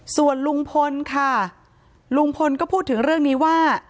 ส่วนลุงพลค่ะลุงพลก็พูดถึงเรื่องนี้ว่า